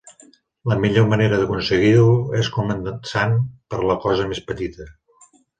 La millor manera d'aconseguir-ho és començant per la cosa més petita.